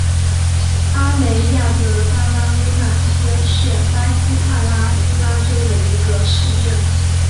阿雷亚德巴拉乌纳斯是巴西帕拉伊巴州的一个市镇。